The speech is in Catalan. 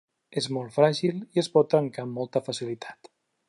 És molt fràgil i es pot trencar amb molta facilitat.